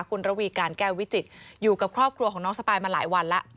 คุณระวีการแก้ววิจิตรอยู่กับครอบครัวของน้องสปายมาหลายวันแล้ว